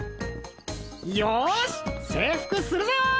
よし征服するぞ！